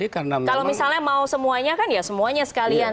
kalau misalnya mau semuanya kan ya semuanya sekalian